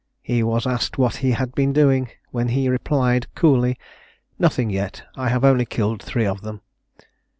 He was asked what he had been doing; when he replied coolly, "Nothing yet; I have only killed three of them."